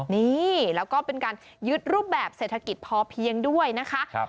นี่แล้วก็เป็นการยึดรูปแบบเศรษฐกิจพอเพียงด้วยนะคะ